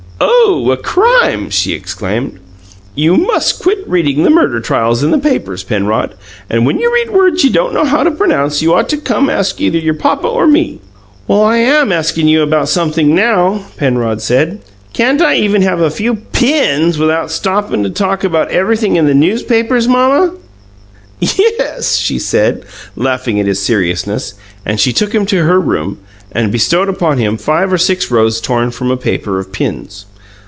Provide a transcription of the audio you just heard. "Oh, a crime!" she exclaimed. "You MUST quit reading the murder trials in the newspapers, Penrod. And when you read words you don't know how to pronounce you ought to ask either your papa or me." "Well, I am askin' you about sumpthing now," Penrod said. "Can't I even have a few PINS without stoppin' to talk about everything in the newspapers, Mamma?" "Yes," she said, laughing at his seriousness; and she took him to her room, and bestowed upon him five or six rows torn from a paper of pins.